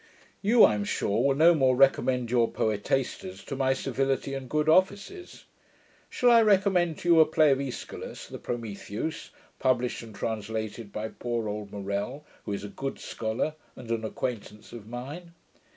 You, I am sure, will no more recommend your poetasters to my civility and good offices. Shall I recommend to you a play of Eschylus (the Prometheus), published and translated by poor old Morel], who is a good scholar, and an acquaintance of mine.